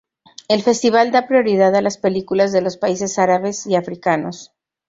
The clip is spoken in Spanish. El festival da prioridad a las películas de los países árabes y africanos.